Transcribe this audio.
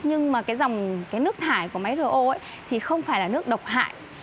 nhưng mà cái dòng cái nước thải của máy ro thì không phải là nước độc hại